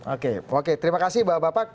oke terima kasih bapak